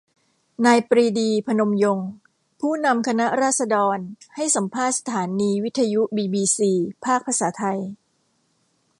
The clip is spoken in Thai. นายปรีดี พนมยงค์ ผู้นำคณะราษฎรให้สัมภาษณ์สถานีวิทยุบีบีซี ภาคภาษาไทย